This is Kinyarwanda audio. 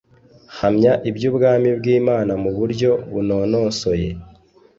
'Hamya iby'ubwami bw'Imana mu buryo bunonosoye